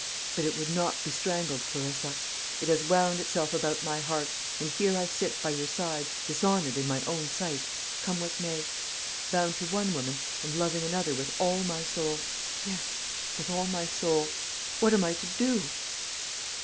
But it would not be strangled, Clarissa; it has wound itself about my heart, and here I sit by your side dishonoured in my own sight, come what may bound to one woman and loving another with all my soul yes, with all my soul. What am I to do?"